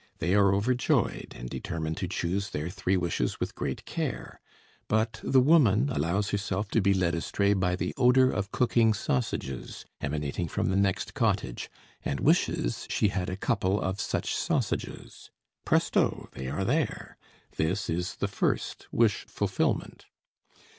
They are overjoyed, and determine to choose their three wishes with great care. But the woman allows herself to be led astray by the odor of cooking sausages emanating from the next cottage, and wishes she had a couple of such sausages. Presto! they are there. This is the first wish fulfillment.